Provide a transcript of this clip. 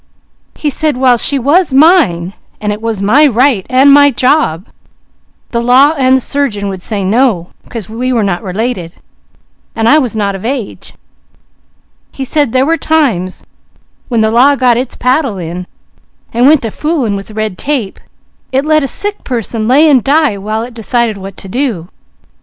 He said while she was mine, and it was my right, and my job, the law and the surgeon would say no, 'cause we were not related, and I was not of age. He said there were times when the law got its paddle in, and went to fooling with red tape, it let a sick person lay and die while it decided what to do.